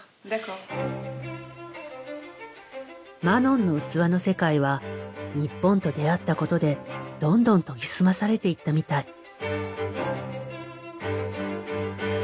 マノンの器の世界は日本と出会ったことでどんどん研ぎ澄まされていったみたい。